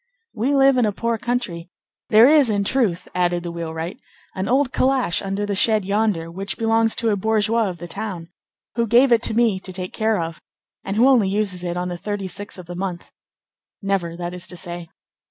"We live in a poor country. There is, in truth," added the wheelwright, "an old calash under the shed yonder, which belongs to a bourgeois of the town, who gave it to me to take care of, and who only uses it on the thirty sixth of the month—never, that is to say.